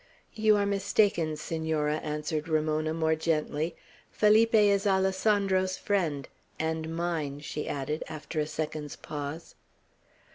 "You are mistaken, Senora," answered Ramona, more gently. "Felipe is Alessandro's friend, and mine," she added, after a second's pause.